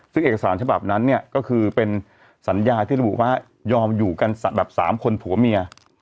ซึ่งเอกสารฉบับนั้นเนี่ยก็คือเป็นสัญญาที่ระบุว่ายอมอยู่กันแบบ๓คนผัวเมีย